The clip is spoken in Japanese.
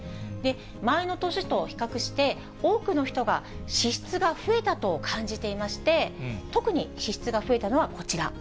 前の年と比較して、多くの人が支出が増えたと感じていまして、特に支出が増えたのはこちら。